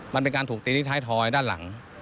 มันเป็นการถูกตีที่ท้ายทอยด้านหลัง